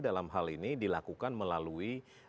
dalam hal ini dilakukan melalui